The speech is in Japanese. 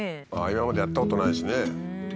今までやったことないしね。